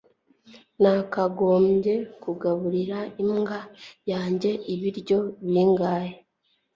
nakagombye kugaburira imbwa yanjye ibiryo bingahe